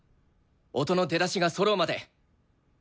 音の出だしがそろうまで頑張ろう！